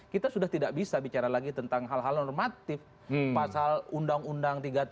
kita sudah tidak bisa bicara lagi tentang hal hal normatif pasal undang undang tiga puluh tiga